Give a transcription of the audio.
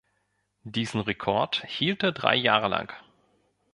Diesen Rekord hielt er drei Jahre lang.